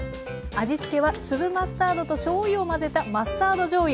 味付けは粒マスタードとしょうゆを混ぜたマスタードじょうゆ。